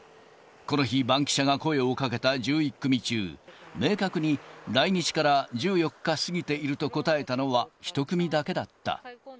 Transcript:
この日、バンキシャが声をかけた１１組中、明確に、来日から１４日過ぎていると答えたのは１組だけだった。